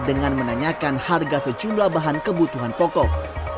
dengan menanyakan harga sejumlah bahan kebutuhan pokok